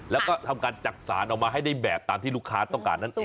แล้วก็ทำการจักษานออกมาให้ได้แบบตามที่ลูกค้าต้องการนั่นเอง